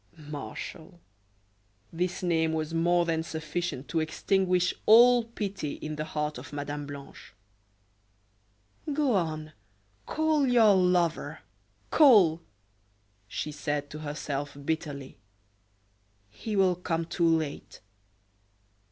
Martial, this name was more than sufficient to extinguish all pity in the heart of Mme. Blanche. "Go on! call your lover, call!" she said to herself, bitterly. "He will come too late."